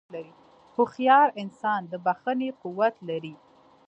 هوښیار انسان د بښنې قوت لري.